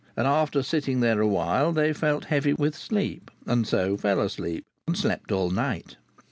And after sitting there awhile they felt heavy with sleep, and so fell asleep, and slept all night.